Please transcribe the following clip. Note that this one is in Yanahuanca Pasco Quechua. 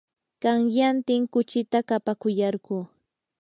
qanyantin kuchita kapakuyarquu.